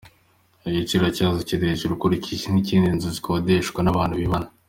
Igiciro cyazo kiri hejuru ukurikije ik’izindi nzu zikodeshwa n’abantu bibana.